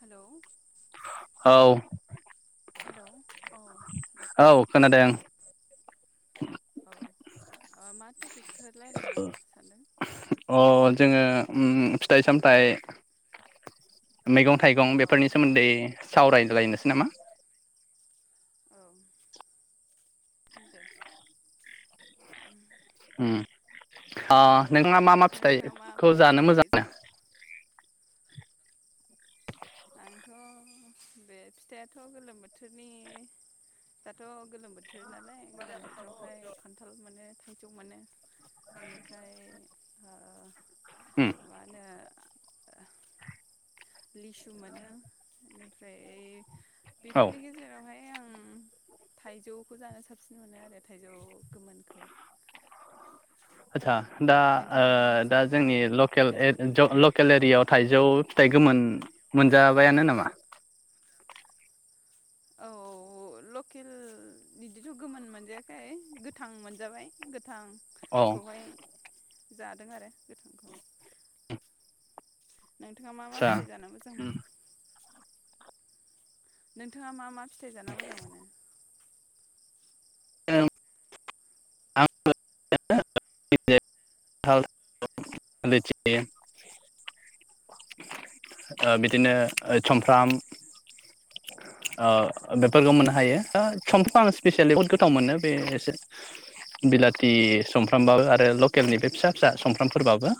Hello [inaudible] औ hello अ औ खोनादों [inaudible] औ ओ मा टपिक अ जोङो ओम फिथाइ सामथ मैगं थाइगं औ बेफोरनि सोमोन्दै सावराय लायनोसै नामा औ दे उम उम आ नोंथाङा मा मा नोंथाङा मा फिथाइखौ मा जानो फिथाइ मोजां मोनो। जानो आंथ' बे फिथायाथ' गोलोम बोथोरनि दाथ' गोलोम बोथो थोर नालाय गोलां बोथोरावहाय खान्थाल मोनो थाइजौ मोनो एनिफ्राय ओ उम माबा होनो लिसु मोनो इनि फ्राय औ बेफोरनि गेजेरावहाय आं थाइजौखौ जानो साबसिन मोनो आरो थायजौ गोमोनखौ। आदसा दा ओ नोंथाङालाय मा मा दा जानो मोजां जोंनि मोनो लकेल फिथाइ ओ सामथाइनि ज गेजेराव लकेल एरियायाव थाइजौ फिथाइ गोमोन मोनजाबायानो नामा? औ लकेल बिदिथ' गोमोन मोनजायाखै गोथां मोनजाबाय गोथ औ थांखौहाय जादों आरो गोथांखौ। नोंथाङा मा मा आदसा फिथाइ जानो मोजां मोनो। नोंथाङा मा मा फिथाइ जाना मोजां मोनो? [inaudible] [inaudible] ओ उम बिदिनो ओ सम थाम ओ औ बेफोरखौ मोननो हायो सुमफ्रामखौ आं स्पिसियेलि बहुद गोथाव मोनो बे एसे बिलाथि सुमफ्रामबाबो आरो लकेलनि बे फिसा फिसा सुमफ्रामफोरबाबो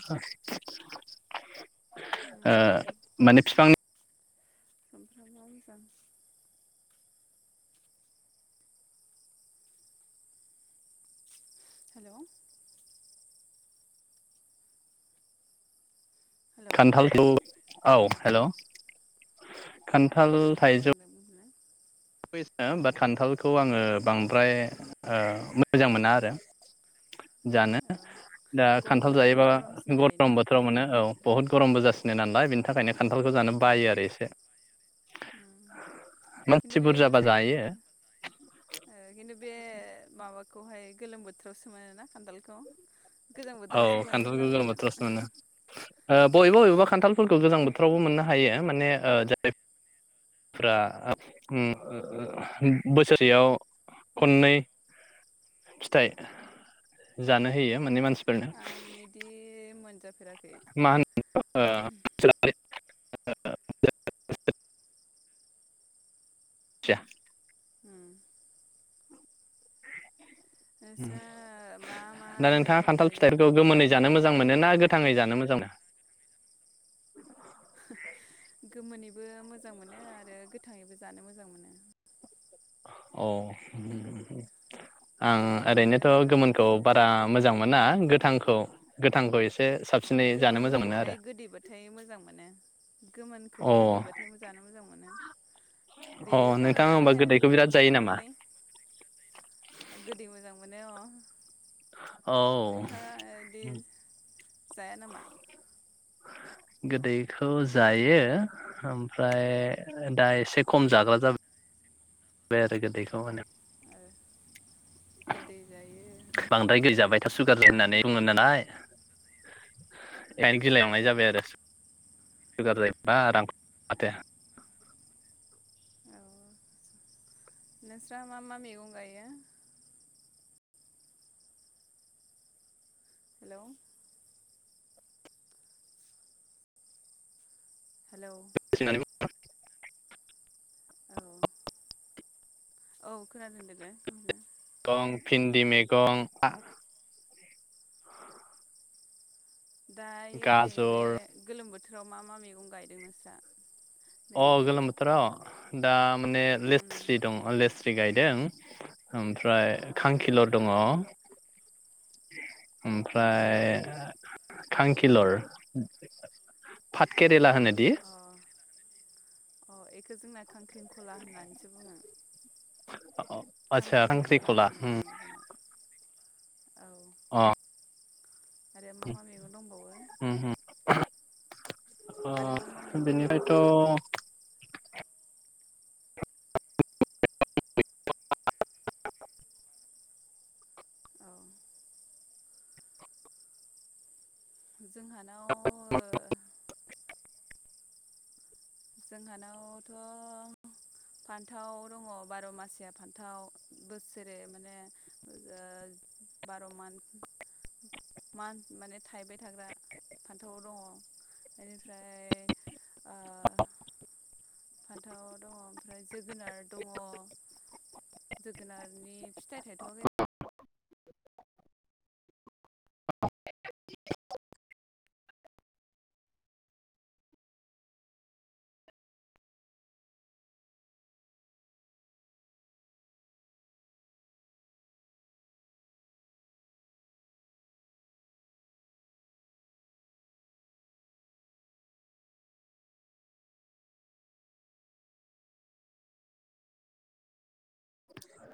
ओ माने फिफांनि समफ्रामा मोजां हेल' हेलौ खान्थालखौ औ हेल' उम [inaudible] खान्थाल उम थाइजौ खोनादों बुंलाय खान्थालखौ आङो ओ बांद्राय मोजां मोना आरो जानो अ दा गरम खान्थाल बोथोराव जायोबा गरमसिन जायोना गरम बोथोराव मोनो औ बहुत गरमबो जासि नालाय बेनि थाखायनो खान्थालखौ जानो उम बायो आरो एसे उम मानसि बे बुरजाबा बस्तु जायो बे माबाखौहाय गोलोम बोथोरावसो मोनोना खान्थालखौ गोजां औ बोथोरावसो मोननो खान्थालखौ नांगौमोन मोनो। ओ बबेबा बबेबा खान्थालफोरखौ गोजां बोथोरावबो मोननो हायो माने जे फ्रा ओ ओ बोसोरसेयाव खननै फिथाइ जानो होयो मोनै मानसि आं बिदि मोन मा होन ओ [unintelligible] [unintelligible] उम नोंस्रा मा मा दा नोंथाङा मैगं खान्थाल गायो न'आव फिथाइफोरखौ गोमोनै बारियाव जानो मोजां मोनो ना गोथाङै जानो मोजां मोनो? गोमोनैबो मोजां मोनो आरो गोथाङैबो जानो मोजां मोनो। औ। आं गोमोनैबो ओरैनोथ' मोजां मोनो गोमोनखौ बारा बेवहाय मोजां गोथाङै मोना गोथांखौ गोथांबो एसे साबसिनै जानो मोजां मोनो आरो गोमोनखौहाय गोदैबाथाय मोजां मोनो गोमोनखौ अ गोदैबाथाय जानो मोजां मोनो अ बेयो बारा नोंथाङा जानो होमबा हाया गोदैखौ बेफोरखौ बिराद जायो मोनफा नामा मोननै गोदै मोजां मोनो। अ औ नोंथाङादि जाया नामा? गोदैखौ जायो ओमफ्राय दा एसे खम जाग्रा जाबाय। जाया आरो गोदैखौ माने ओ गोदै जायो बांद्राय गोदै जाबा थाबा सुगार जायो होननानै बुङो नानाय। [inaudible] बेखायनो गिलाय औ लांनाय जाबाय आरो। सुगार जायोबा रांखब माथो अ नोंस्रा मा मा मैगं गायो? हेल हेलौ [unintelligible] औ [inaudible] औ खोनादों लोगो बुंदो गं फिन्दि मैगं आ दायो गाजर नैबे गोलोम बोथोर फ्राव मा मा मैगं गायदों नोंस्रा? अ नैबे गोलोम बोथोराव? दा माने उम लेस्रि दं लेस स्रि गायदों ओमफ्राय औ खांखिलर' दङ [unintelligible] [unintelligible] खांखिलाव ओमफ्राय खांखिलर फाट केट लेरा होनोदि अ अ इखौ जोंना खांख्रिंखला होननानैसो बुङो। [unintelligible] अ अ आतसा सांख्रि खांख्रिंखला खला होनना हो बुङो जोंना औ अ ओरो मा मा मैगं दंबावो? अ आरो मा मा मैगं दंबावो बेनिफ्रायथ [unintelligible] औ जोंहानाव ओ जोंहानावथ' फान्थाव दङ बार' मासिया फान्थाव बोसोरै माने ओ बार' मान्थ मान्थ माने थायबाय थाग्रा फान्थाव दङ एनिफ्राय औ फान्थाव दङ ओमफ्राय जोगोनार दङ जोगोनारनि फिथाइ थाइथ'आखै [unintelligible] [unintelligible]